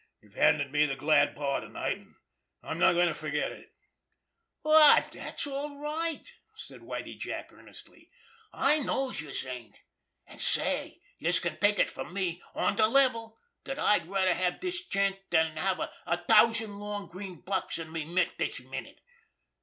You've handed me the glad paw to night—and I'm not going to forget it." "Aw, dat's all right!" said Whitie Jack earnestly. "I knows youse ain't! An', say, youse can take it from me on de level dat I'd rather have had dis chance dan have a thousand long green bucks in me mitt dis minute.